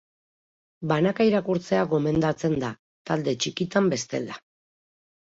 Banaka irakurtzea gomendatzen da, talde txikitan bestela.